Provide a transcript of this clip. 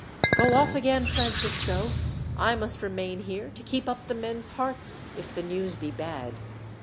"Go off again, Francisco. I must remain here to keep up the men's hearts, if the news be bad.